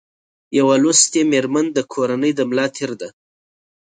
یو لوستي مېرمن د کورنۍ د ملا تېر ده